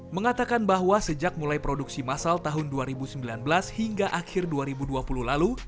mengatakan bahwa sejak mulai produksi masal tahun dua ribu sembilan belas hingga akhir dua ribu dua puluh lalu